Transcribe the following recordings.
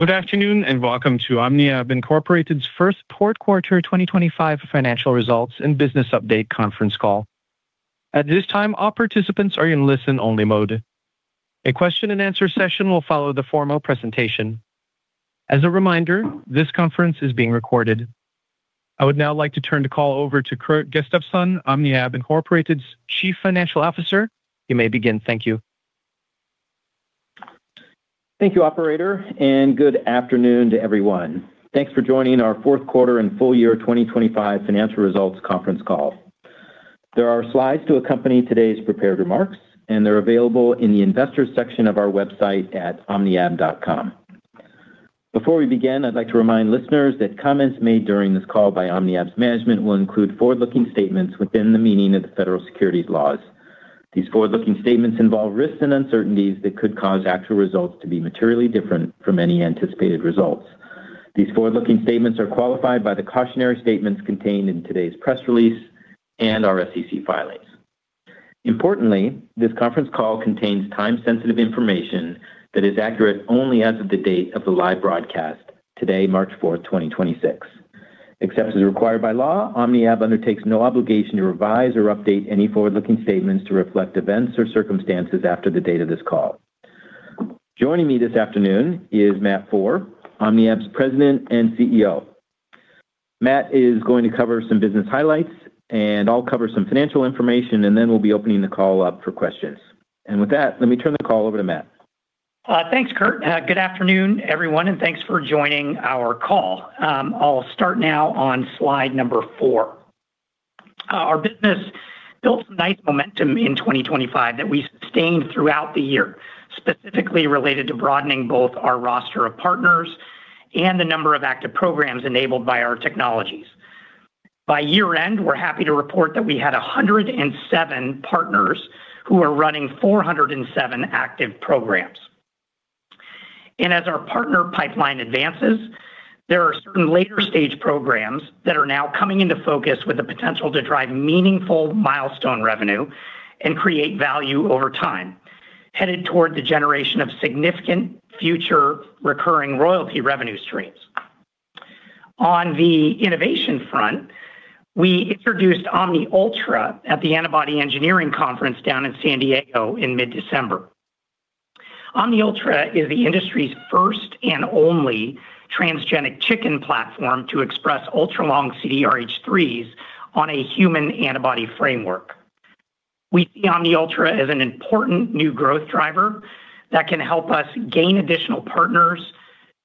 Good afternoon, welcome to OmniAb, Inc's First Quarter 2025 Financial Results and Business Update Conference Call. At this time, all participants are in listen-only mode. A question and answer session will follow the formal presentation. As a reminder, this conference is being recorded. I would now like to turn the call over to Kurt Gustafson, OmniAb, Inc's Chief Financial Officer. You may begin. Thank you. Thank you, operator. Good afternoon to everyone. Thanks for joining our fourth quarter and full year 2025 financial results conference call. There are slides to accompany today's prepared remarks, and they're available in the investors section of our website at omniab.com. Before we begin, I'd like to remind listeners that comments made during this call by OmniAb's management will include forward-looking statements within the meaning of the Federal Securities laws. These forward-looking statements involve risks and uncertainties that could cause actual results to be materially different from any anticipated results. These forward-looking statements are qualified by the cautionary statements contained in today's press release and our SEC filings. Importantly, this conference call contains time-sensitive information that is accurate only as of the date of the live broadcast, today, March 4, 2026. Except as required by law, OmniAb undertakes no obligation to revise or update any forward-looking statements to reflect events or circumstances after the date of this call. Joining me this afternoon is Matt Foehr, OmniAb's President and CEO. Matt is going to cover some business highlights. I'll cover some financial information. We'll be opening the call up for questions. With that, let me turn the call over to Matt. Thanks, Kurt. Good afternoon, everyone, and thanks for joining our call. I'll start now on Slide Number 4. Our business built nice momentum in 2025 that we sustained throughout the year, specifically related to broadening both our roster of partners and the number of active programs enabled by our technologies. By year-end, we're happy to report that we had 107 partners who are running 407 active programs. As our partner pipeline advances, there are certain later-stage programs that are now coming into focus with the potential to drive meaningful milestone revenue and create value over time, headed toward the generation of significant future recurring royalty revenue streams. On the innovation front, we introduced OmniUltra at the Antibody Engineering Conference down in San Diego in mid-December. OmniUltra is the industry's first and only transgenic chicken platform to express ultra-long CDRH3s on a human antibody framework. We see OmniUltra as an important new growth driver that can help us gain additional partners,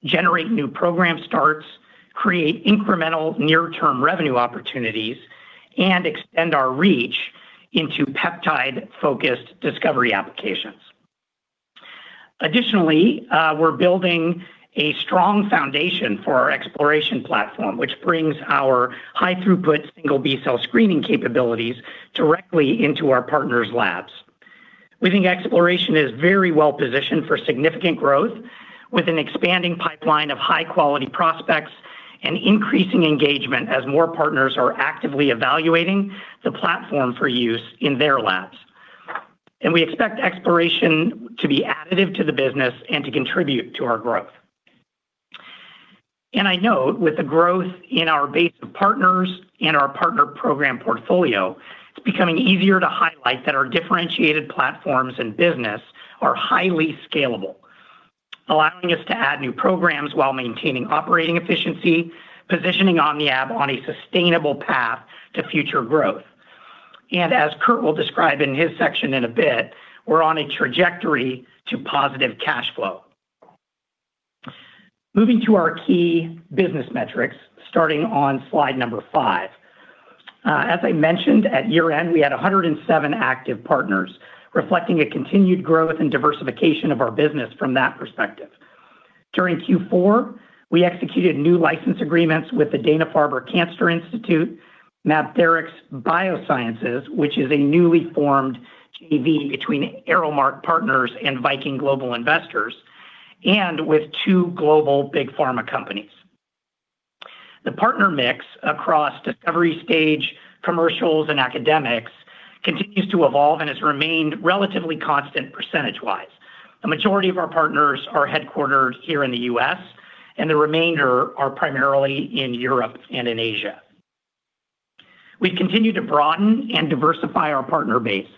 generate new program starts, create incremental near-term revenue opportunities, and extend our reach into peptide-focused discovery applications. Additionally, we're building a strong foundation for our xPloration platform, which brings our high-throughput single B-cell screening capabilities directly into our partners' labs. We think xPloration is very well positioned for significant growth with an expanding pipeline of high-quality prospects and increasing engagement as more partners are actively evaluating the platform for use in their labs. We expect xPloration to be additive to the business and to contribute to our growth. I know with the growth in our base of partners and our partner program portfolio, it's becoming easier to highlight that our differentiated platforms and business are highly scalable, allowing us to add new programs while maintaining operating efficiency, positioning OmniAb on a sustainable path to future growth. As Kurt will describe in his section in a bit, we're on a trajectory to positive cash flow. Moving to our key business metrics, starting on Slide 5. As I mentioned, at year-end, we had 107 active partners, reflecting a continued growth and diversification of our business from that perspective. During Q4, we executed new license agreements with the Dana-Farber Cancer Institute, Mabtrx Biosciences, which is a newly formed JV between ArrowMark Partners and Viking Global Investors, and with two global big pharma companies. The partner mix across discovery stage, commercials, and academics continues to evolve and has remained relatively constant percentage-wise. The majority of our partners are headquartered here in the U.S., and the remainder are primarily in Europe and in Asia. We continue to broaden and diversify our partner base,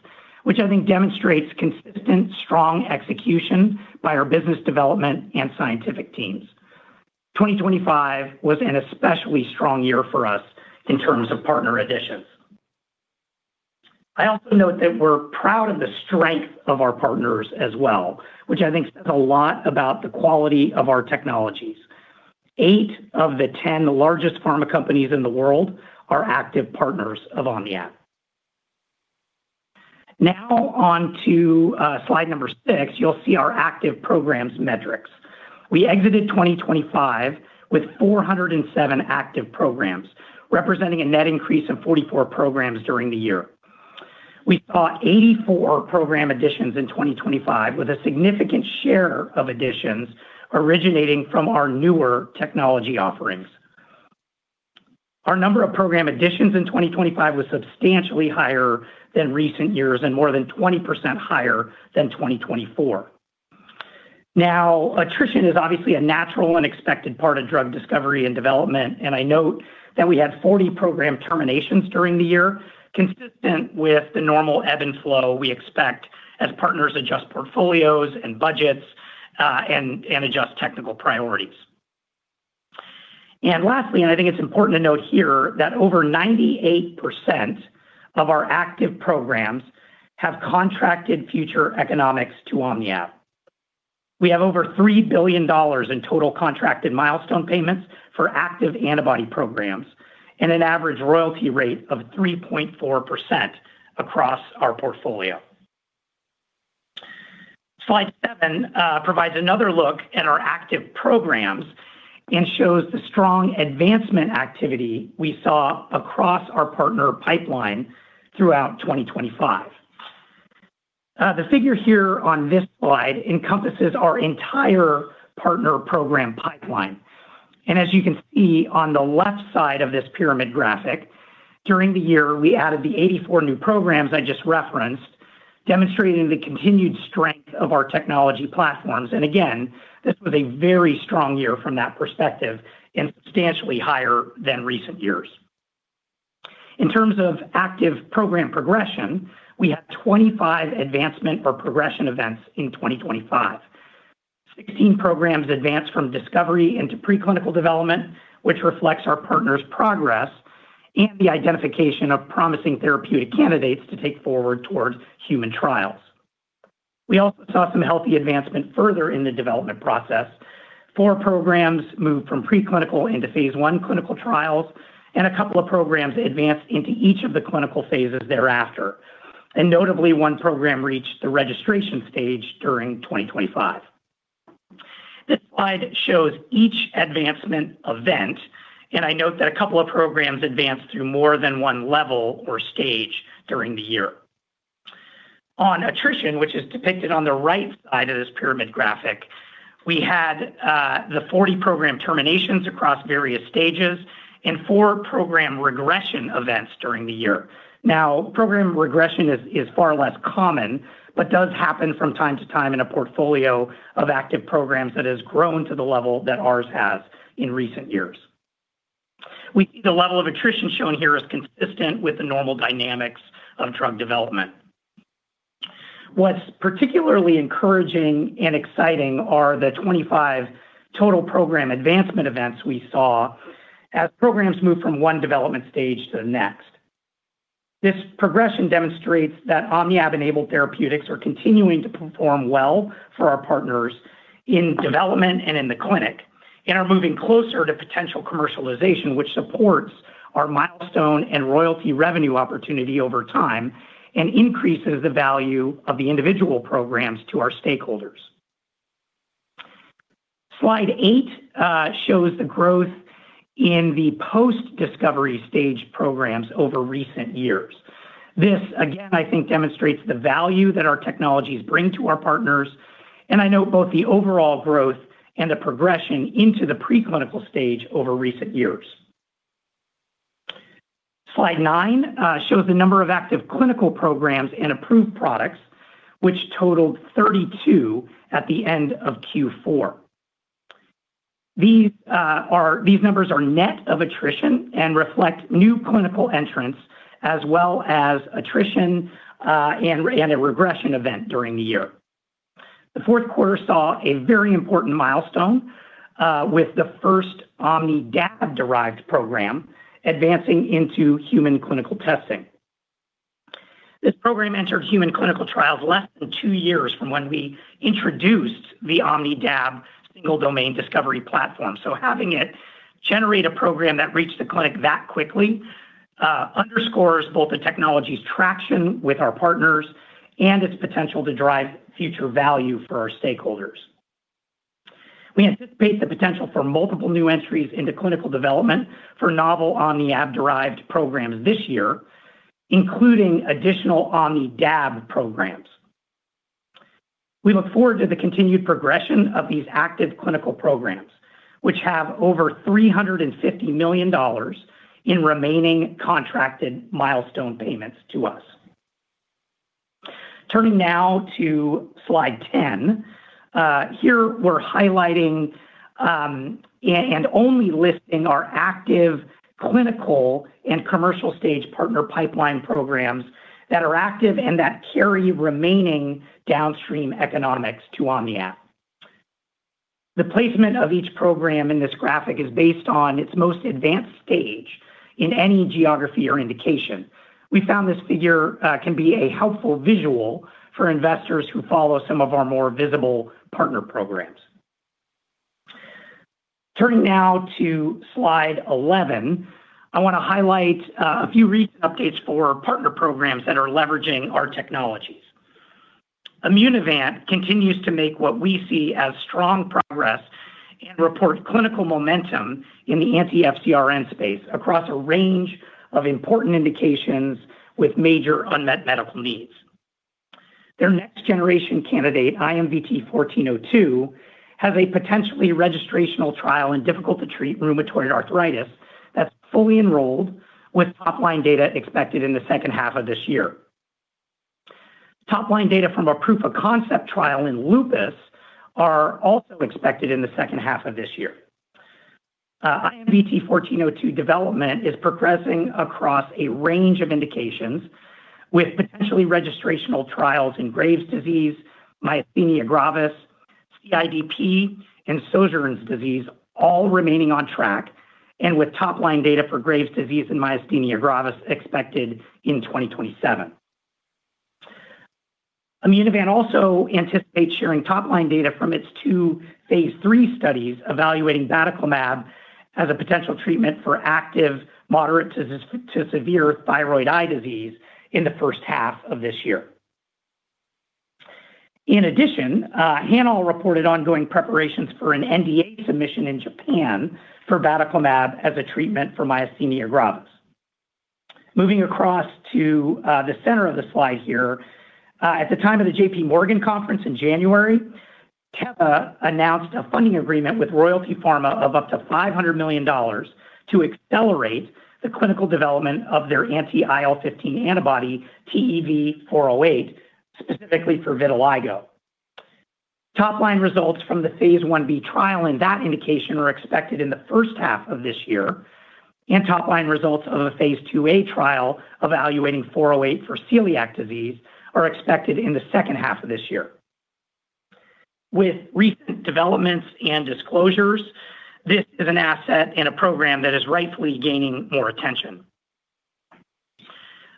which I think demonstrates consistent strong execution by our business development and scientific teams. 2025 was an especially strong year for us in terms of partner additions. I also note that we're proud of the strength of our partners as well, which I think says a lot about the quality of our technologies. 8 of the 10 largest pharma companies in the world are active partners of OmniAb. Now on to Slide Number 6. You'll see our active programs metrics. We exited 2025 with 407 active programs, representing a net increase of 44 programs during the year. We saw 84 program additions in 2025, with a significant share of additions originating from our newer technology offerings. Our number of program additions in 2025 was substantially higher than recent years and more than 20% higher than 2024. Now, attrition is obviously a natural and expected part of drug discovery and development, and I note that we had 40 program terminations during the year, consistent with the normal ebb and flow we expect as partners adjust portfolios and budgets, and adjust technical priorities. Lastly, and I think it's important to note here that over 98% of our active programs have contracted future economics to OmniAb. We have over $3 billion in total contracted milestone payments for active antibody programs and an average royalty rate of 3.4% across our portfolio. Slide 7 provides another look at our active programs and shows the strong advancement activity we saw across our partner pipeline throughout 2025. The figure here on this slide encompasses our entire partner program pipeline. As you can see on the left side of this pyramid graphic, during the year, we added the 84 new programs I just referenced, demonstrating the continued strength of our technology platforms. Again, this was a very strong year from that perspective and substantially higher than recent years. In terms of active program progression, we had 25 advancement or progression events in 2025. 16 programs advanced from discovery into preclinical development, which reflects our partners' progress and the identification of promising therapeutic candidates to take forward towards human trials. We also saw some healthy advancement further in the development process. Four programs moved from preclinical into phase I clinical trials. A couple of programs advanced into each of the clinical phases thereafter. Notably, one program reached the registration stage during 2025. This slide shows each advancement event. I note that a couple of programs advanced through more than one level or stage during the year. On attrition, which is depicted on the right side of this pyramid graphic, we had the 40 program terminations across various stages and four program regression events during the year. Program regression is far less common, but does happen from time to time in a portfolio of active programs that has grown to the level that ours has in recent years. We see the level of attrition shown here is consistent with the normal dynamics of drug development. What's particularly encouraging and exciting are the 25 total program advancement events we saw as programs moved from one development stage to the next. This progression demonstrates that OmniAb-enabled therapeutics are continuing to perform well for our partners in development and in the clinic and are moving closer to potential commercialization, which supports our milestone and royalty revenue opportunity over time and increases the value of the individual programs to our stakeholders. Slide 8 shows the growth in the post-discovery stage programs over recent years. This, again, I think, demonstrates the value that our technologies bring to our partners, and I note both the overall growth and the progression into the preclinical stage over recent years. Slide 9 shows the number of active clinical programs and approved products, which totaled 32 at the end of Q4. These numbers are net of attrition and reflect new clinical entrants as well as attrition and a regression event during the year. The fourth quarter saw a very important milestone with the first OmnidAb-derived program advancing into human clinical testing. This program entered human clinical trials less than two years from when we introduced the OmnidAb single domain discovery platform. Having it generate a program that reached the clinic that quickly underscores both the technology's traction with our partners and its potential to drive future value for our stakeholders. We anticipate the potential for multiple new entries into clinical development for novel OmniAb-derived programs this year, including additional OmnidAb programs. We look forward to the continued progression of these active clinical programs, which have over $350 million in remaining contracted milestone payments to us. Turning now to Slide 10. Here we're highlighting and only listing our active clinical and commercial stage partner pipeline programs that are active and that carry remaining downstream economics to OmniAb. The placement of each program in this graphic is based on its most advanced stage in any geography or indication. We found this figure can be a helpful visual for investors who follow some of our more visible partner programs. Turning now to Slide 11, I want to highlight a few recent updates for partner programs that are leveraging our technologies. Immunovant continues to make what we see as strong progress and report clinical momentum in the anti-FcRn space across a range of important indications with major unmet medical needs. Their next generation candidate, IMVT-1402, has a potentially registrational trial in difficult to treat rheumatoid arthritis that's fully enrolled with top line data expected in the second half of this year. Top line data from a proof of concept trial in lupus are also expected in the second half of this year. IMVT-1402 development is progressing across a range of indications with potentially registrational trials in Graves' disease, myasthenia gravis, CIDP, and Sjögren's disease all remaining on track, and with top line data for Graves' disease and myasthenia gravis expected in 2027. Immunovant also anticipates sharing top line data from its two phase III studies evaluating batoclimab as a potential treatment for active moderate to severe thyroid eye disease in the first half of this year. In addition, HanAll reported ongoing preparations for an NDA submission in Japan for batoclimab as a treatment for myasthenia gravis. Moving across to the center of the slide here. At the time of the JPMorgan conference in January, Teva announced a funding agreement with Royalty Pharma of up to $500 million to accelerate the clinical development of their anti-IL-15 antibody TEV-'408, specifically for vitiligo. Top line results from the phase 1b trial in that indication are expected in the first half of this year. Top line results of a phase 2a trial evaluating 408 for Celiac disease are expected in the second half of this year. With recent developments and disclosures, this is an asset and a program that is rightfully gaining more attention.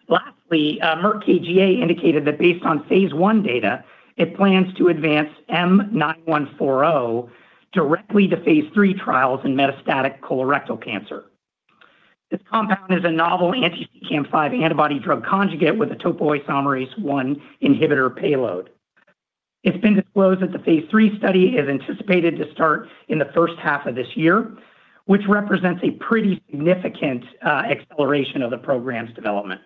Lastly, Merck KGaA indicated that based on phase I data, it plans to advance M9140 directly to phase III trials in Metastatic colorectal cancer. This compound is a novel anti-CEACAM5 antibody-drug conjugate with a topoisomerase I inhibitor payload. It's been disclosed that the phase III study is anticipated to start in the first half of this year, which represents a pretty significant acceleration of the program's development.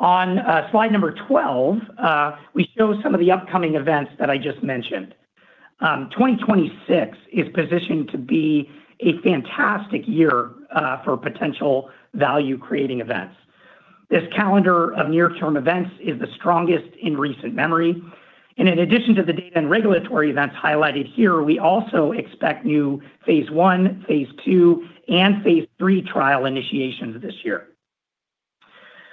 On Slide Number 12, we show some of the upcoming events that I just mentioned. 2026 is positioned to be a fantastic year for potential value creating events. This calendar of near term events is the strongest in recent memory. In addition to the data and regulatory events highlighted here, we also expect new phase I, phase II, and phase III trial initiations this year.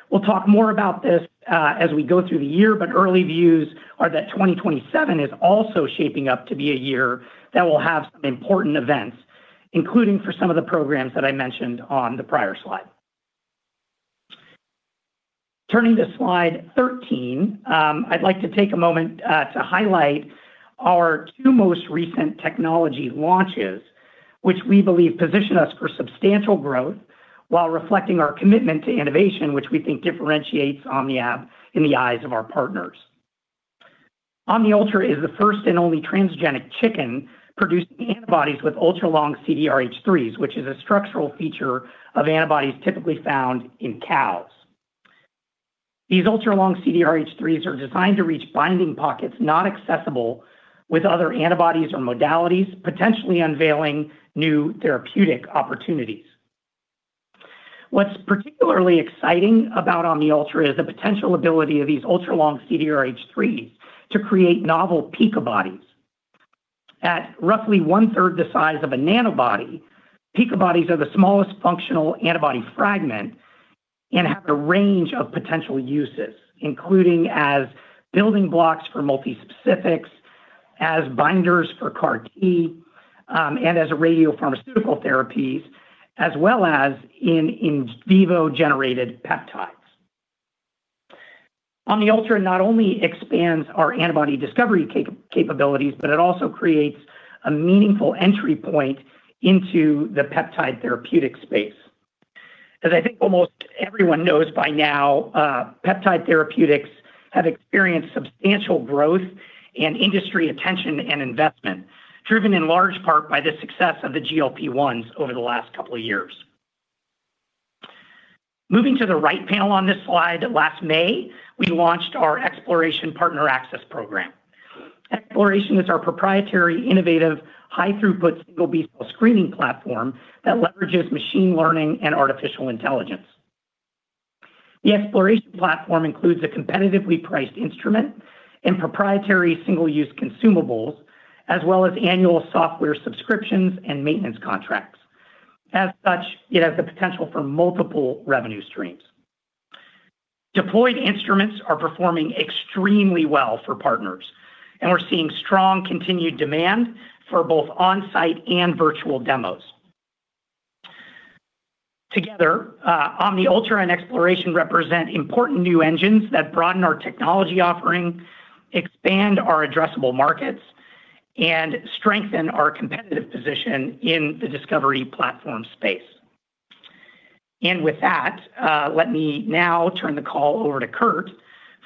We'll talk more about this as we go through the year. Early views are that 2027 is also shaping up to be a year that will have some important events, including for some of the programs that I mentioned on the prior slide. Turning to Slide 13, I'd like to take a moment to highlight our two most recent technology launches, which we believe position us for substantial growth while reflecting our commitment to innovation, which we think differentiates OmniAb in the eyes of our partners. OmniUltra is the first and only transgenic chicken producing antibodies with ultra-long CDRH3, which is a structural feature of antibodies typically found in cows. These ultra-long CDRH3s are designed to reach binding pockets not accessible with other antibodies or modalities, potentially unveiling new therapeutic opportunities. What's particularly exciting about OmniUltra is the potential ability of these ultra-long CDRH3 to create novel picobodies. At roughly 1/3 the size of a nanobody, picobodies are the smallest functional antibody fragment and have a range of potential uses, including as building blocks for multispecifics, as binders for CAR-T, and as a radiopharmaceutical therapies, as well as in vivo generated peptides. OmniUltra not only expands our antibody discovery capabilities, but it also creates a meaningful entry point into the peptide therapeutic space. As I think almost everyone knows by now, peptide therapeutics have experienced substantial growth and industry attention and investment, driven in large part by the success of the GLP-1s over the last couple of years. Moving to the right panel on this slide, last May, we launched our xPloration Partner Access program. xPloration is our proprietary, innovative, high-throughput single B-cell screening platform that leverages machine learning and artificial intelligence. The xPloration platform includes a competitively priced instrument and proprietary single-use consumables, as well as annual software subscriptions and maintenance contracts. As such, it has the potential for multiple revenue streams. Deployed instruments are performing extremely well for partners, and we're seeing strong continued demand for both on-site and virtual demos. Together, OmniUltra and xPloration represent important new engines that broaden our technology offering, expand our addressable markets, and strengthen our competitive position in the discovery platform space. With that, let me now turn the call over to Kurt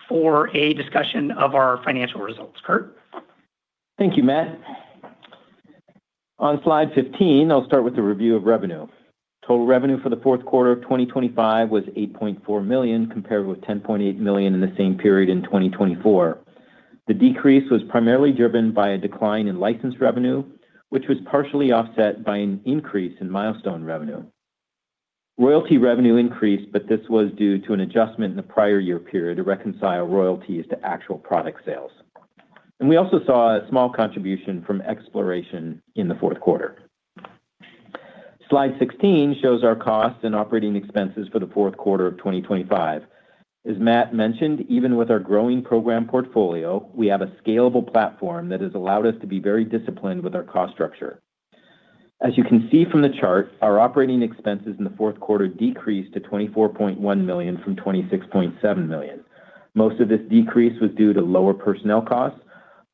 for a discussion of our financial results. Kurt? Thank you, Matt. On Slide 15, I'll start with the review of revenue. Total revenue for the fourth quarter of 2025 was $8.4 million, compared with $10.8 million in the same period in 2024. The decrease was primarily driven by a decline in license revenue, which was partially offset by an increase in milestone revenue. Royalty revenue increased, but this was due to an adjustment in the prior year period to reconcile royalties to actual product sales. We also saw a small contribution from xPloration in the fourth quarter. Slide 16 shows our costs and operating expenses for the fourth quarter of 2025. As Matt mentioned, even with our growing program portfolio, we have a scalable platform that has allowed us to be very disciplined with our cost structure. As you can see from the chart, our OpEx in the fourth quarter decreased to $24.1 million from $26.7 million. Most of this decrease was due to lower personnel costs.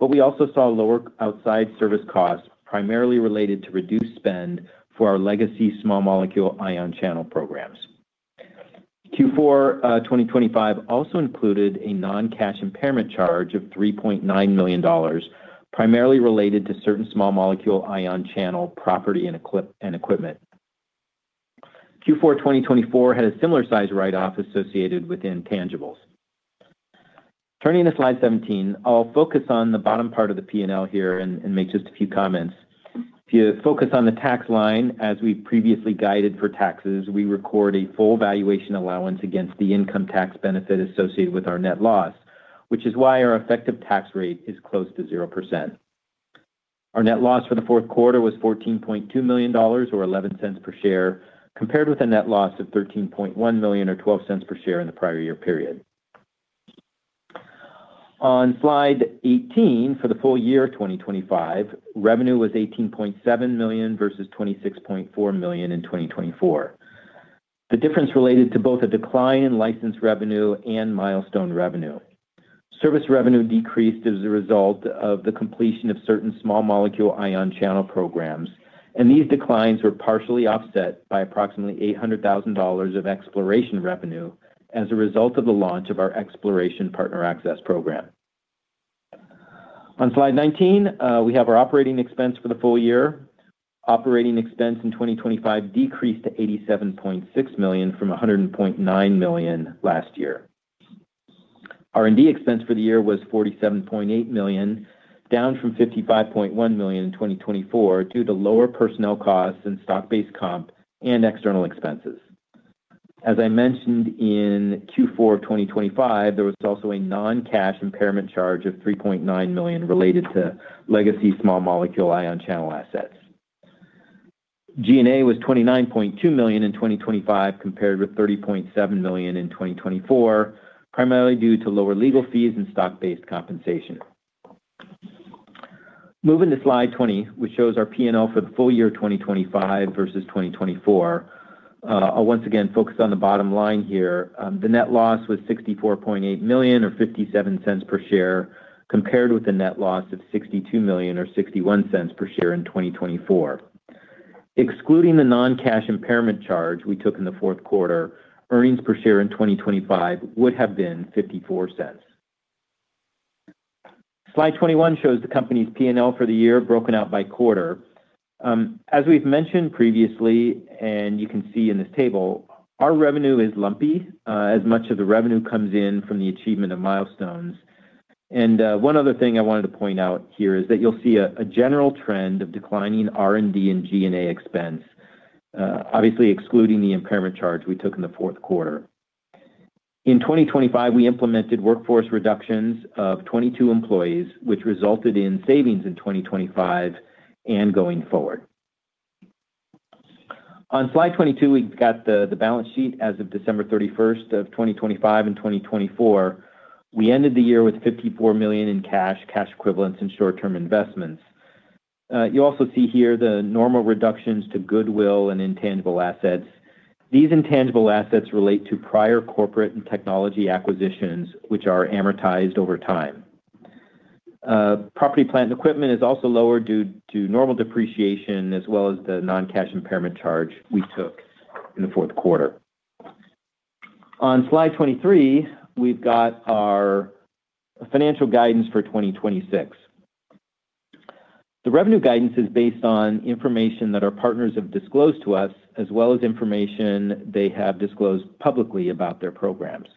We also saw lower outside service costs, primarily related to reduced spend for our legacy small molecule ion channel programs. Q4 2025 also included a non-cash impairment charge of $3.9 million, primarily related to certain small molecule ion channel property and equipment. Q4 2024 had a similar size write-off associated with intangibles. Turning to Slide 17, I'll focus on the bottom part of the P&L here and make just a few comments. If you focus on the tax line, as we previously guided for taxes, we record a full valuation allowance against the income tax benefit associated with our net loss, which is why our effective tax rate is close to 0%. Our net loss for the fourth quarter was $14.2 million or $0.11 per share, compared with a net loss of $13.1 million or $0.12 per share in the prior year period. On Slide 18, for the full year of 2025, revenue was $18.7 million versus $26.4 million in 2024. The difference related to both a decline in license revenue and milestone revenue. Service revenue decreased as a result of the completion of certain small molecule ion channel programs. These declines were partially offset by approximately $800,000 of xPloration revenue as a result of the launch of our xPloration Partner Access program. On Slide 19, we have our operating expense for the full year. Operating expense in 2025 decreased to $87.6 million from $100.9 million last year. R&D expense for the year was $47.8 million, down from $55.1 million in 2024 due to lower personnel costs and stock-based comp and external expenses. As I mentioned in Q4 of 2025, there was also a non-cash impairment charge of $3.9 million related to legacy small molecule ion channel assets. G&A was $29.2 million in 2025 compared with $30.7 million in 2024, primarily due to lower legal fees and stock-based compensation. Moving to Slide 20, which shows our P&L for the full year of 2025 versus 2024. I'll once again focus on the bottom line here. The net loss was $64.8 million or $0.57 per share, compared with a net loss of $62 million or $0.61 per share in 2024. Excluding the non-cash impairment charge we took in the fourth quarter, earnings per share in 2025 would have been $0.54. Slide 21 shows the company's P&L for the year broken out by quarter. As we've mentioned previously, and you can see in this table, our revenue is lumpy, as much of the revenue comes in from the achievement of milestones. One other thing I wanted to point out here is that you'll see a general trend of declining R&D and G&A expense, obviously excluding the impairment charge we took in the fourth quarter. In 2025, we implemented workforce reductions of 22 employees, which resulted in savings in 2025 and going forward. On Slide 22, we've got the balance sheet as of December 31st of 2025 and 2024. We ended the year with $54 million in cash equivalents, and short-term investments. You also see here the normal reductions to goodwill and intangible assets. These intangible assets relate to prior corporate and technology acquisitions, which are amortized over time. Property, plant, and equipment is also lower due to normal depreciation as well as the non-cash impairment charge we took in the fourth quarter. On Slide 23, we've got our financial guidance for 2026. The revenue guidance is based on information that our partners have disclosed to us, as well as information they have disclosed publicly about their programs.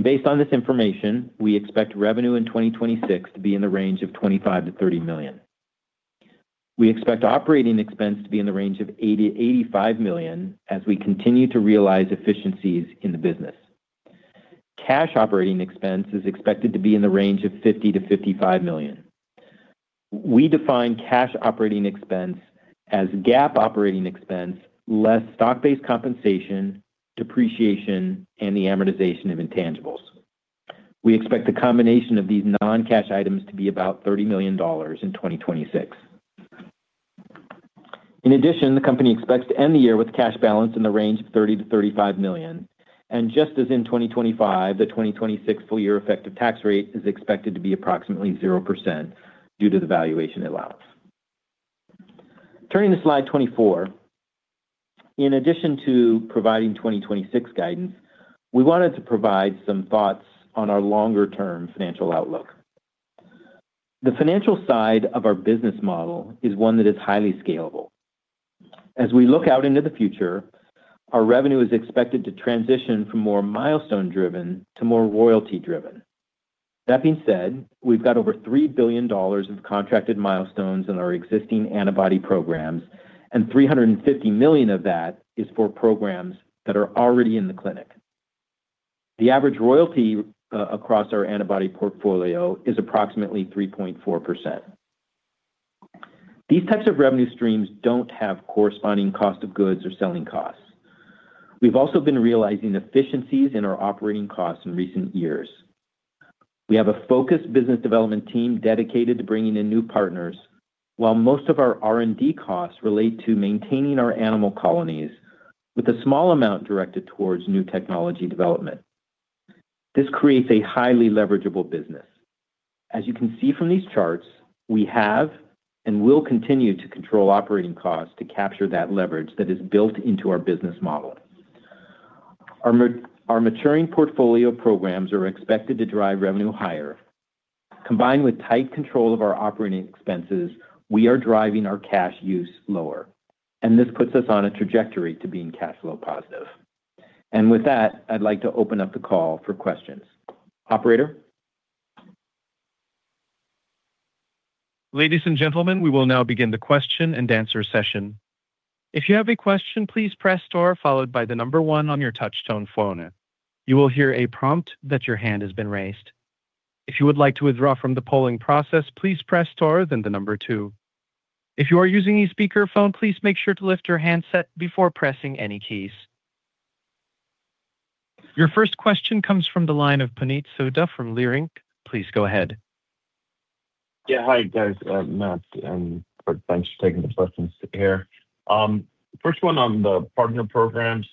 Based on this information, we expect revenue in 2026 to be in the range of $25 million-$30 million. We expect operating expense to be in the range of $80 million-$85 million as we continue to realize efficiencies in the business. Cash operating expense is expected to be in the range of $50 million-$55 million. We define cash operating expense as GAAP operating expense, less stock-based compensation, depreciation, and the amortization of intangibles. We expect the combination of these non-cash items to be about $30 million in 2026. In addition, the company expects to end the year with cash balance in the range of $30 million-$35 million. Just as in 2025, the 2026 full year effective tax rate is expected to be approximately 0% due to the valuation allowance. Turning to Slide 24 In addition to providing 2026 guidance, we wanted to provide some thoughts on our longer-term financial outlook. The financial side of our business model is one that is highly scalable. As we look out into the future, our revenue is expected to transition from more milestone-driven to more royalty-driven. That being said, we've got over $3 billion of contracted milestones in our existing antibody programs and $350 million of that is for programs that are already in the clinic. The average royalty across our antibody portfolio is approximately 3.4%. These types of revenue streams don't have corresponding cost of goods or selling costs. We've also been realizing efficiencies in our operating costs in recent years. We have a focused business development team dedicated to bringing in new partners while most of our R&D costs relate to maintaining our animal colonies with a small amount directed towards new technology development. This creates a highly leveragable business. As you can see from these charts, we have and will continue to control operating costs to capture that leverage that is built into our business model. Our maturing portfolio programs are expected to drive revenue higher. Combined with tight control of our operating expenses, we are driving our cash use lower, and this puts us on a trajectory to being cash flow positive. With that, I'd like to open up the call for questions. Operator? Ladies and gentlemen, we will now begin the question-and-answer session. If you have a question, please press star followed by one on your touch tone phone. You will hear a prompt that your hand has been raised. If you would like to withdraw from the polling process, please press star then two. If you are using a speakerphone, please make sure to lift your handset before pressing any keys. Your first question comes from the line of Puneet Souda from Leerink. Please go ahead. Yeah. Hi, guys. Matt, and thanks for taking the questions here. First one on the partner programs.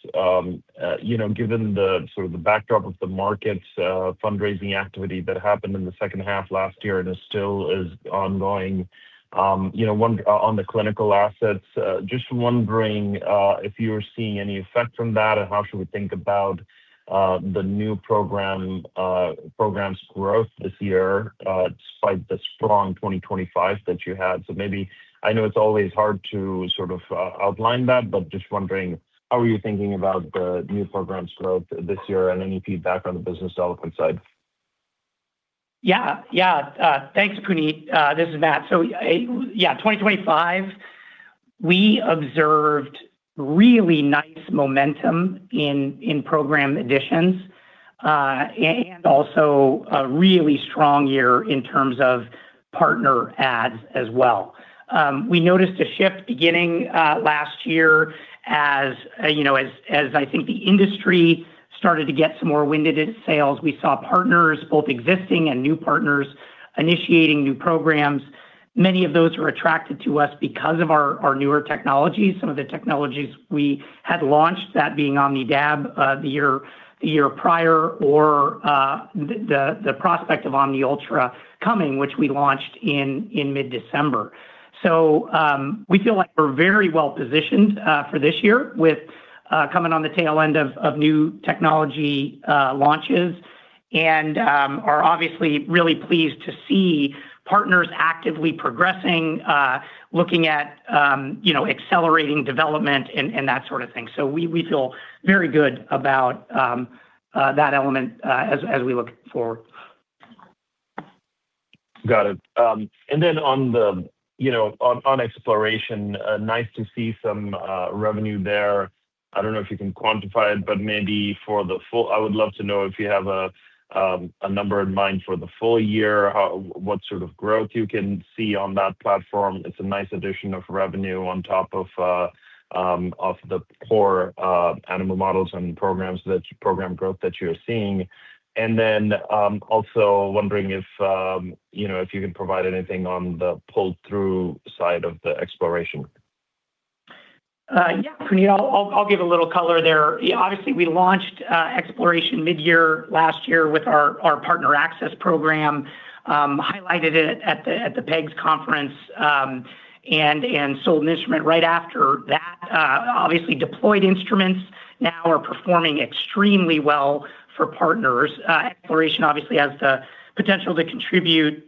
You know, given the sort of the backdrop of the markets, fundraising activity that happened in the second half last year and is still ongoing, you know, on the clinical assets, just wondering if you're seeing any effect from that and how should we think about the new program's growth this year, despite the strong 2025 that you had. Maybe I know it's always hard to sort of outline that, but just wondering how are you thinking about the new program's growth this year and any feedback on the business development side? Yeah. Thanks, Puneet. This is Matt. Yeah, 2025, we observed really nice momentum in program additions, and also a really strong year in terms of partner adds as well. We noticed a shift beginning last year as, you know, as I think the industry started to get some more wind at its sails. We saw partners, both existing and new partners, initiating new programs. Many of those were attracted to us because of our newer technologies, some of the technologies we had launched, that being OmnidAb, the year prior or, the prospect of OmniUltra coming, which we launched in mid-December. We feel like we're very well-positioned for this year with coming on the tail end of new technology launches and are obviously really pleased to see partners actively progressing, looking at, you know, accelerating development and that sort of thing. We feel very good about that element as we look forward. Got it. Then on the, you know, on xPloration, nice to see some revenue there. I don't know if you can quantify it, but maybe for the full, I would love to know if you have a number in mind for the full year, what sort of growth you can see on that platform. It's a nice addition of revenue on top of the core animal models and program growth that you're seeing. Then also wondering if, you know, if you can provide anything on the pull-through side of the xPloration. Yeah, Puneet. I'll give a little color there. Obviously, we launched xPloration mid-year last year with our Partner Access program, highlighted it at the PEGS Conference, and sold an instrument right after that. Obviously, deployed instruments now are performing extremely well for partners. xPloration obviously has the potential to contribute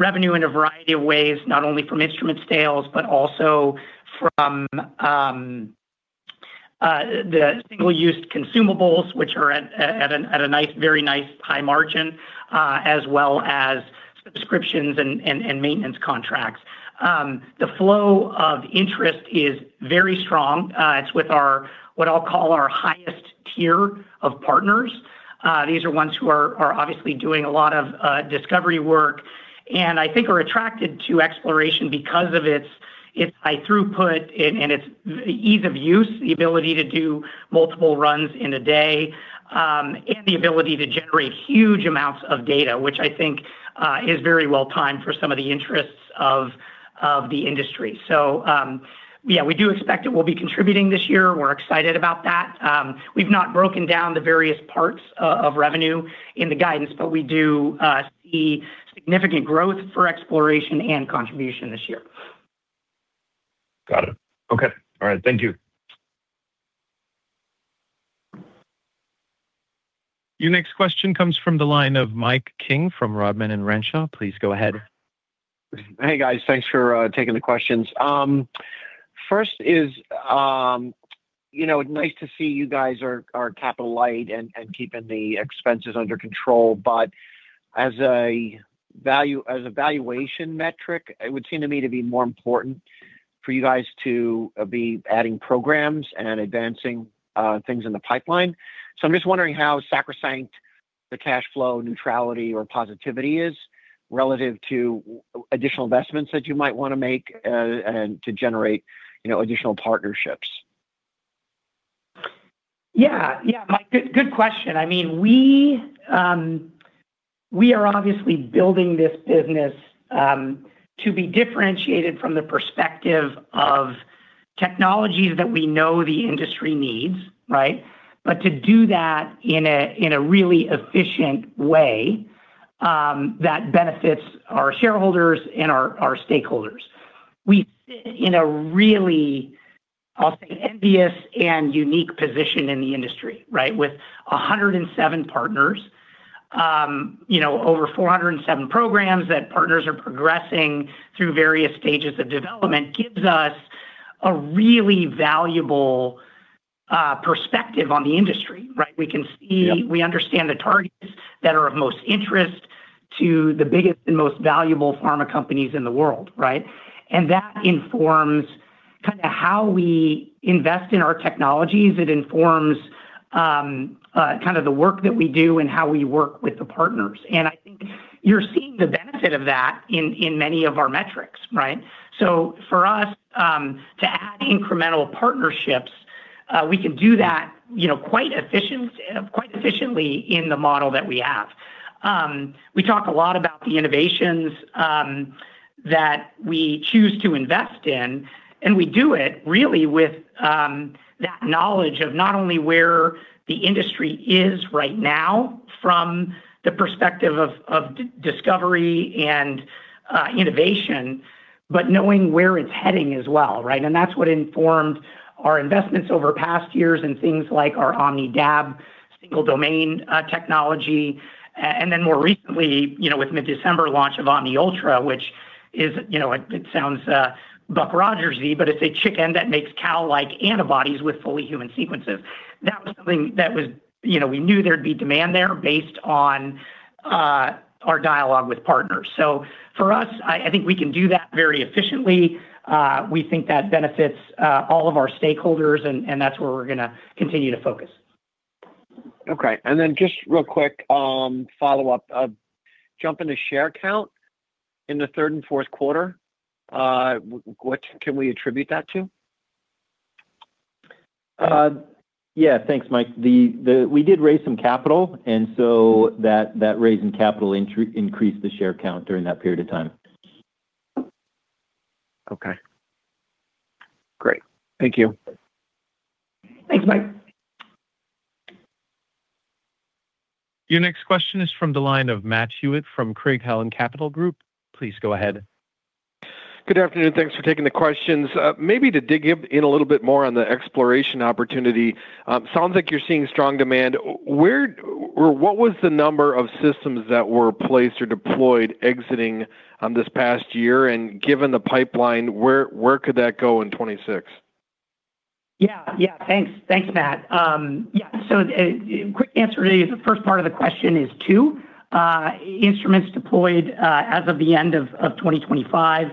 revenue in a variety of ways, not only from instrument sales, but also from the single-use consumables, which are at a nice, very nice high margin, as well as subscriptions and maintenance contracts. The flow of interest is very strong. It's with our, what I'll call our highest tier of partners. These are ones who are obviously doing a lot of discovery work, and I think are attracted to xPloration because of its high throughput and its ease of use, the ability to do multiple runs in a day, and the ability to generate huge amounts of data, which I think is very well timed for some of the interests of the industry. Yeah, we do expect it will be contributing this year. We're excited about that. We've not broken down the various parts of revenue in the guidance, but we do see significant growth for xPloration and contribution this year. Got it. Okay. All right. Thank you. Your next question comes from the line of Mike King from Rodman & Renshaw. Please go ahead. Hey, guys. Thanks for taking the questions. First is, you know, nice to see you guys are capital light and keeping the expenses under control. As a valuation metric, it would seem to me to be more important for you guys to be adding programs and advancing things in the pipeline. I'm just wondering how sacrosanct the cash flow neutrality or positivity is relative to additional investments that you might wanna make and to generate, you know, additional partnerships. Yeah. Mike, good question. I mean, we are obviously building this business to be differentiated from the perspective of technologies that we know the industry needs, right? To do that in a really efficient way that benefits our shareholders and our stakeholders. We sit in a really, I'll say, envious and unique position in the industry, right? With 107 partners, you know, over 407 programs that partners are progressing through various stages of development, gives us a really valuable perspective on the industry, right? We can see-- Yep. We understand the targets that are of most interest to the biggest and most valuable pharma companies in the world, right? That informs kinda how we invest in our technologies. It informs kind of the work that we do and how we work with the partners. I think you're seeing the benefit of that in many of our metrics, right? For us, to add incremental partnerships, we can do that, you know, quite efficiently in the model that we have. We talk a lot about the innovations that we choose to invest in, we do it really with that knowledge of not only where the industry is right now from the perspective of discovery and innovation, but knowing where it's heading as well, right? That's what informed our investments over past years and things like our OmnidAb single domain technology. More recently, you know, with mid-December launch of OmniUltra, which is-- It sounds Buck Rogers-y, but it's a chicken that makes cow-like antibodies with fully human sequences. You know, we knew there'd be demand there based on our dialogue with partners. For us, I think we can do that very efficiently. We think that benefits all of our stakeholders, and that's where we're gonna continue to focus. Okay. Just real quick, follow-up. Jump into share count in the third and fourth quarter. What can we attribute that to? Yeah. Thanks, Mike. We did raise some capital. That raise in capital increased the share count during that period of time. Okay. Great. Thank you. Thanks, Mike. Your next question is from the line of Matt Hewitt from Craig-Hallum Capital Group. Please go ahead. Good afternoon. Thanks for taking the questions. Maybe to dig in a little bit more on the xPloration opportunity. Sounds like you're seeing strong demand. Where or what was the number of systems that were placed or deployed exiting, this past year? Given the pipeline, where could that go in 2026? Yeah. Thanks. Thanks, Matt. Quick answer to the first part of the question is two instruments deployed as of the end of 2025.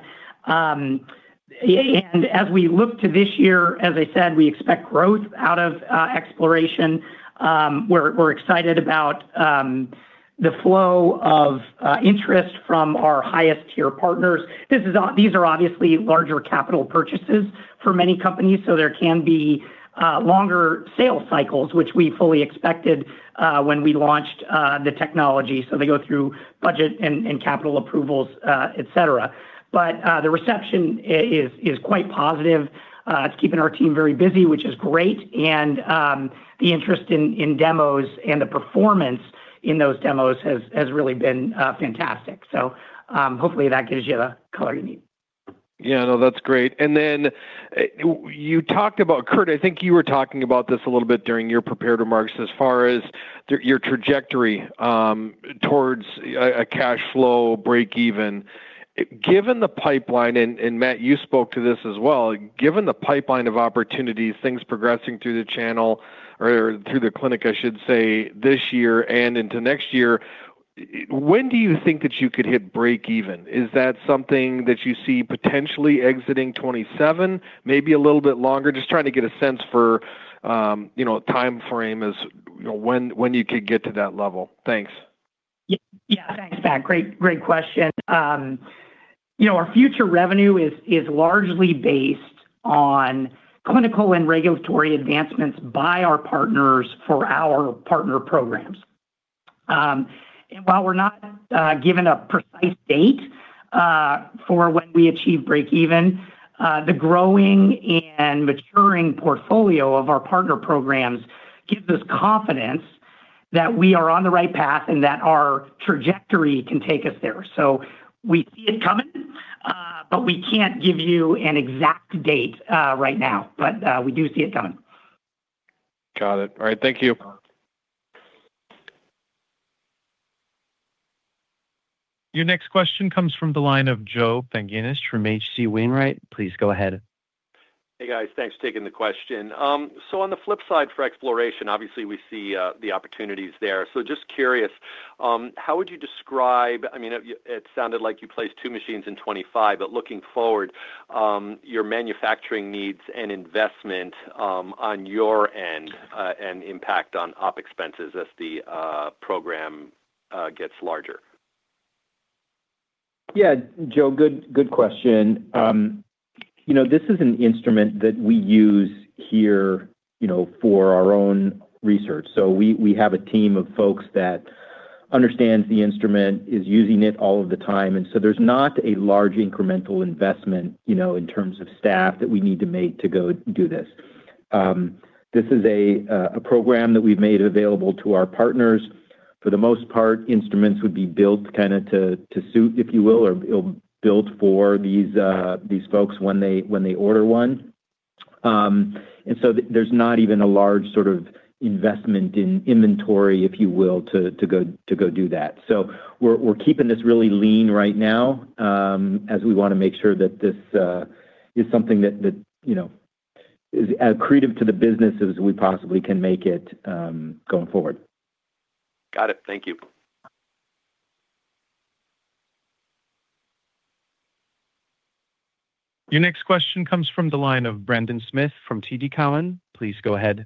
As we look to this year, as I said, we expect growth out of xPloration. We're excited about the flow of interest from our highest tier partners. These are obviously larger capital purchases for many companies, there can be longer sales cycles, which we fully expected when we launched the technology. They go through budget and capital approvals, et cetera. The reception is quite positive. It's keeping our team very busy, which is great. The interest in demos and the performance in those demos has really been fantastic. Hopefully that gives you the color you need. Yeah. No, that's great. You talked about-- Kurt, I think you were talking about this a little bit during your prepared remarks as far as your trajectory towards a cash flow break even. Given the pipeline, and Matt, you spoke to this as well, given the pipeline of opportunities, things progressing through the channel or through the clinic, I should say, this year and into next year, when do you think that you could hit break even? Is that something that you see potentially exiting 2027? Maybe a little bit longer? Just trying to get a sense for, you know, timeframe as, you know, when you could get to that level. Thanks. Yeah. Thanks, Matt. Great question. You know, our future revenue is largely based on clinical and regulatory advancements by our partners for our partner programs. While we're not given a precise date for when we achieve break even, the growing and maturing portfolio of our partner programs gives us confidence that we are on the right path and that our trajectory can take us there. We see it coming. We can't give you an exact date right now, but we do see it coming. Got it. All right. Thank you. Your next question comes from the line of Joe Pantginis from H.C. Wainwright. Please go ahead. Hey, guys. Thanks for taking the question. On the flip side for xPloration, obviously we see, the opportunities there. Just curious, how would you describe-- I mean, it sounded like you placed two machines in 2025, but looking forward, your manufacturing needs an investment, on your end, and impact on OpEx as the program gets larger? Yeah. Joe, good question. you know, this is an instrument that we use here, you know, for our own research. We have a team of folks that understands the instrument, is using it all of the time, and so there's not a large incremental investment, you know, in terms of staff that we need to make to go do this. This is a program that we've made available to our partners. For the most part, instruments would be built kinda to suit, if you will, or built for these folks when they order one. There's not even a large sort of investment in inventory, if you will, to go do that. We're keeping this really lean right now, as we wanna make sure that this is something that, you know, is as accretive to the business as we possibly can make it, going forward. Got it. Thank you. Your next question comes from the line of Brendan Smith from TD Cowen. Please go ahead.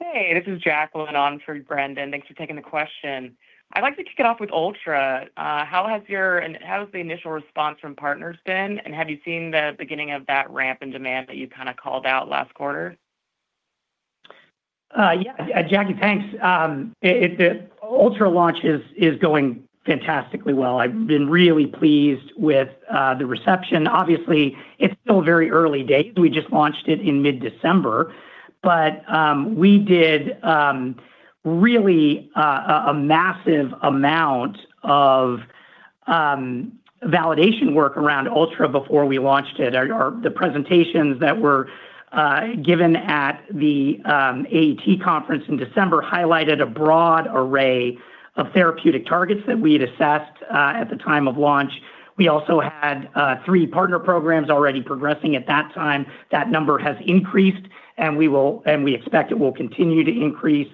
Hey, this is Jacqueline on for Brendan. Thanks for taking the question. I'd like to kick it off with Ultra. How has the initial response from partners been, and have you seen the beginning of that ramp in demand that you kind of called out last quarter? Jacqueline, thanks. The Ultra launch is going fantastically well. I've been really pleased with the reception. Obviously, it's still very early days. We just launched it in mid-December. We did really a massive amount of validation work around Ultra before we launched it. The presentations that were given at the AAT conference in December highlighted a broad array of therapeutic targets that we had assessed at the time of launch. We also had three partner programs already progressing at that time. That number has increased, and we expect it will continue to increase.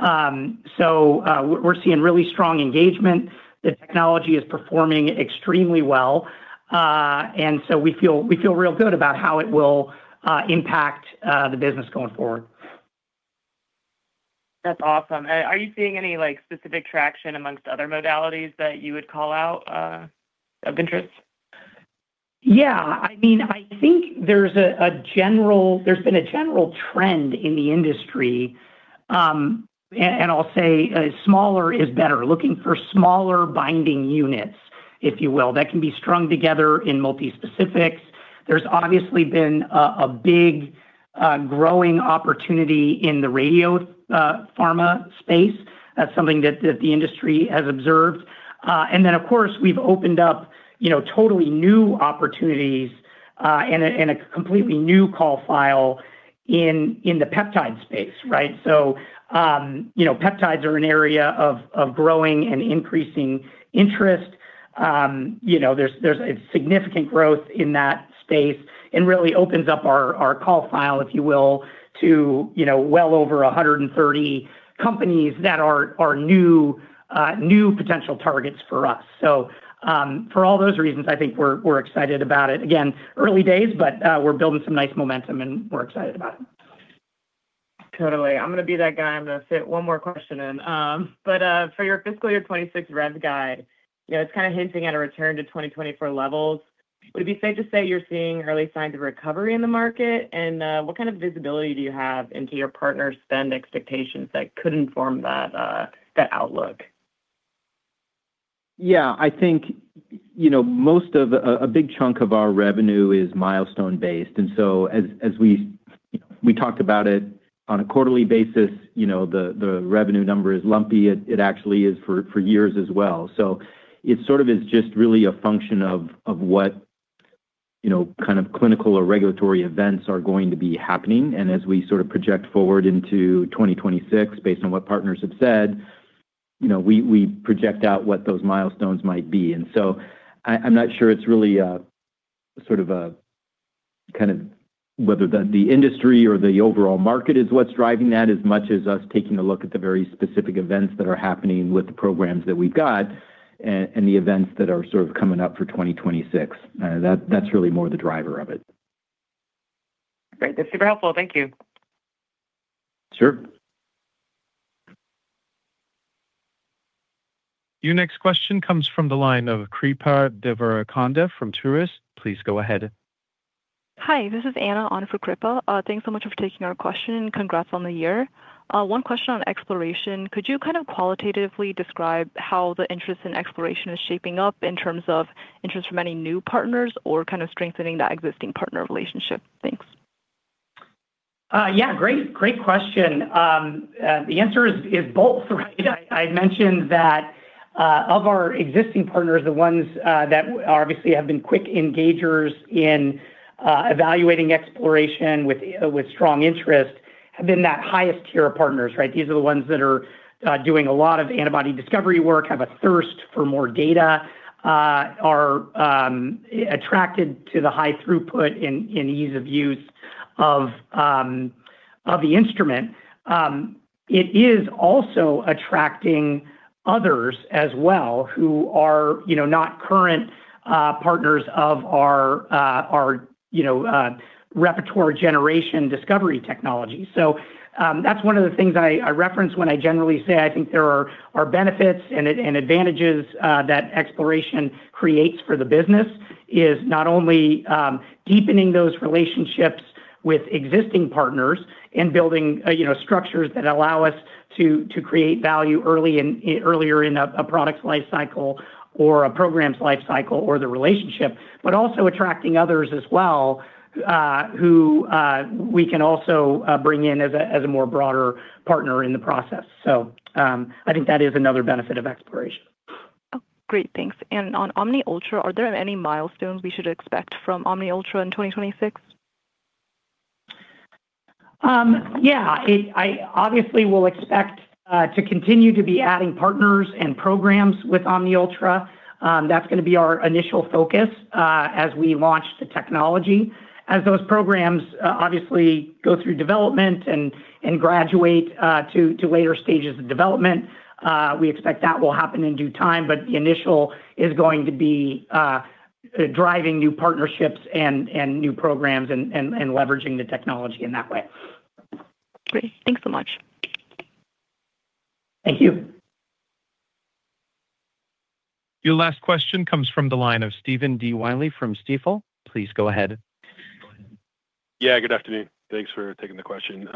We're seeing really strong engagement. The technology is performing extremely well, and so we feel real good about how it will impact the business going forward. That's awesome. Are you seeing any, like, specific traction amongst other modalities that you would call out, of interest? Yeah. I mean, I think there's been a general trend in the industry, and I'll say smaller is better, looking for smaller binding units, if you will, that can be strung together in multispecifics. There's obviously been a big growing opportunity in the radio pharma space. That's something that the industry has observed. Then of course, we've opened up, you know, totally new opportunities, and a completely new call file in the peptide space, right? You know, peptides are an area of growing and increasing interest. You know, there's a significant growth in that space and really opens up our call file, if you will, to, you know, well over 130 companies that are new potential targets for us. For all those reasons, I think we're excited about it. Again, early days, but we're building some nice momentum, and we're excited about it. Totally. I'm gonna be that guy, I'm gonna fit one more question in. For your fiscal year 2026 rev guide, you know, it's kinda hinting at a return to 2024 levels. Would it be fair to say you're seeing early signs of recovery in the market? What kind of visibility do you have into your partners' spend expectations that could inform that outlook? Yeah. I think, you know, A big chunk of our revenue is milestone-based, and so as we talked about it on a quarterly basis, you know, the revenue number is lumpy. It actually is for years as well. It sort of is just really a function of what, you know, kind of clinical or regulatory events are going to be happening. As we sort of project forward into 2026 based on what partners have said, you know, we project out what those milestones might be. I'm not sure it's really a sort of a kind of whether the industry or the overall market is what's driving that as much as us taking a look at the very specific events that are happening with the programs that we've got and the events that are sort of coming up for 2026. That's really more the driver of it. Great. That's super helpful. Thank you. Sure. Your next question comes from the line of Kripa Devarakonda from Truist Securities. Please go ahead. Hi, this is Anna on for Kripa. Thanks so much for taking our question, and congrats on the year. One question on xPloration. Could you kind of qualitatively describe how the interest in xPloration is shaping up in terms of interest from any new partners or kind of strengthening that existing partner relationship? Thanks. Yeah, great question. The answer is both, right? I had mentioned that of our existing partners, the ones that obviously have been quick engagers in evaluating xPloration with strong interest have been that highest tier of partners, right? These are the ones that are doing a lot of antibody discovery work, have a thirst for more data, are attracted to the high throughput in ease of use of the instrument. It is also attracting others as well who are, you know, not current partners of our, you know, repertoire generation discovery technology. That's one of the things I reference when I generally say I think there are benefits and advantages that xPloration creates for the business, is not only deepening those relationships with existing partners and building, you know, structures that allow us to create value earlier in a product's life cycle or a program's life cycle or the relationship, but also attracting others as well, who we can also bring in as a more broader partner in the process. I think that is another benefit of xPloration. Oh, great. Thanks. On OmniUltra, are there any milestones we should expect from OmniUltra in 2026? Yeah. I obviously will expect to continue to be adding partners and programs with OmniUltra. That's gonna be our initial focus as we launch the technology. As those programs obviously go through development and graduate to later stages of development, we expect that will happen in due time. The initial is going to be driving new partnerships and new programs and leveraging the technology in that way. Great. Thanks so much. Thank you. Your last question comes from the line of Stephen D. Willey from Stifel. Please go ahead. Good afternoon. Thanks for taking the question.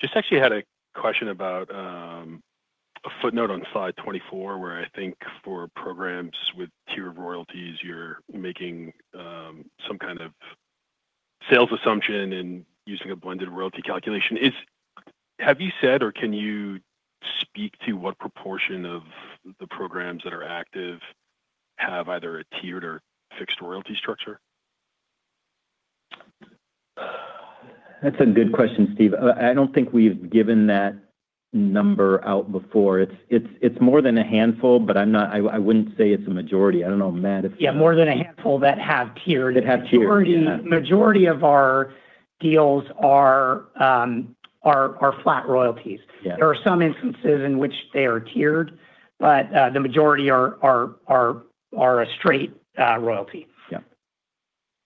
Just actually had a question about a footnote on Slide 24, where I think for programs with tier royalties, you're making some kind of sales assumption and using a blended royalty calculation. Have you said, or can you speak to what proportion of the programs that are active have either a tiered or fixed royalty structure? That's a good question, Steve. I don't think we've given that number out before. It's more than a handful, but I wouldn't say it's a majority. I don't know, Matt. Yeah, more than a handful that have tiered. That have tiered. Majority of our deals are flat royalties. There are some instances in which they are tiered, but, the majority are a straight royalty. Yeah.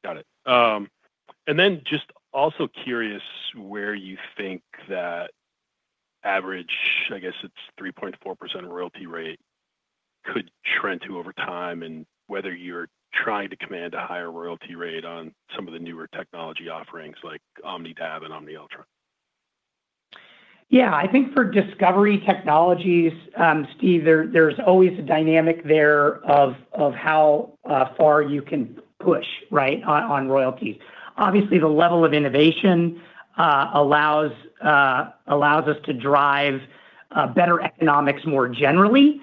Got it. Just also curious where you think that average, I guess it's 3.4% royalty rate could trend to over time, and whether you're trying to command a higher royalty rate on some of the newer technology offerings like OmnidAb and OmniUltra? Yeah. I think for discovery technologies, Steve, there's always a dynamic there of how far you can push, right, on royalties. Obviously, the level of innovation allows us to drive better economics more generally.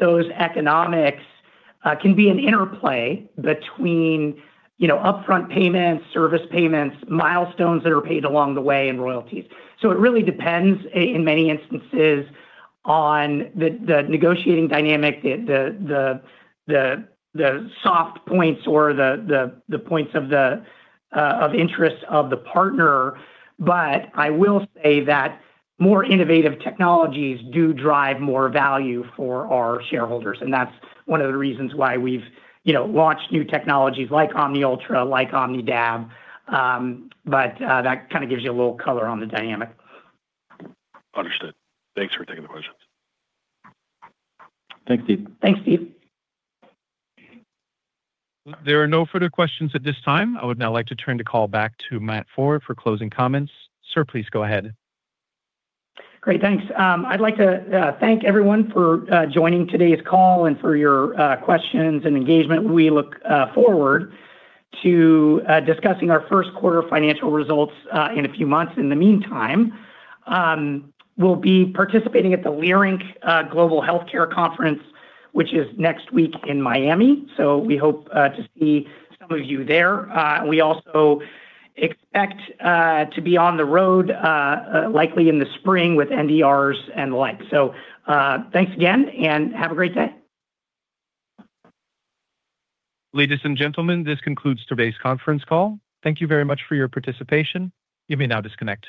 Those economics can be an interplay between, you know, upfront payments, service payments, milestones that are paid along the way, and royalties. It really depends in many instances on the negotiating dynamic, the soft points or the points of interest of the partner. I will say that more innovative technologies do drive more value for our shareholders, and that's one of the reasons why we've, you know, launched new technologies like OmniUltra, like OmnidAb, but that kinda gives you a little color on the dynamic. Understood. Thanks for taking the questions. Thanks, Steve. Thanks, Steve. There are no further questions at this time. I would now like to turn the call back to Matt Foehr for closing comments. Sir, please go ahead. Great, thanks. I'd like to thank everyone for joining today's call and for your questions and engagement. We look forward to discussing our first quarter financial results in a few months. In the meantime, we'll be participating at the Leerink Global Healthcare Conference, which is next week in Miami. We hope to see some of you there. We also expect to be on the road likely in the spring with NDRs and the like. Thanks again and have a great day. Ladies and gentlemen, this concludes today's conference call. Thank you very much for your participation. You may now disconnect.